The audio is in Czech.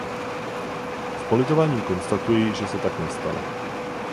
S politováním konstatuji, že se tak nestalo.